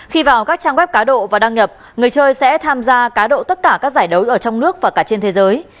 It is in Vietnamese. khi vào các trang web cá độ và đăng nhập người chơi sẽ tham gia cá độ tất cả các giải đấu ở trong nước và cả trên thế giới